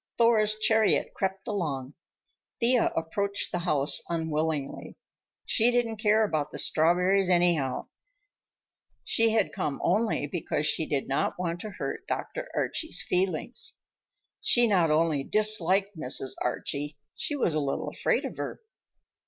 Thor's chariot crept along. Thea approached the house unwillingly. She didn't care about the strawberries, anyhow. She had come only because she did not want to hurt Dr. Archie's feelings. She not only disliked Mrs. Archie, she was a little afraid of her.